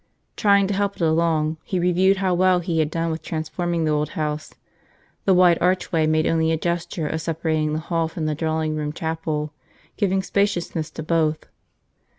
Trying to help it along, he reviewed how well he had done with transforming the old house. The wide archway made only a gesture of separating the hall from the drawing room chapel, giving spaciousness to both.